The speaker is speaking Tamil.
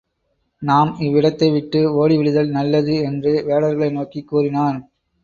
நாம் இவ்விடத்தை விட்டு ஓடிவிடுதல் நல்லது என்று வேடர்களை நோக்கிக் கூறினான்.